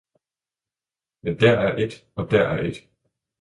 Men dér er ét og dér er ét!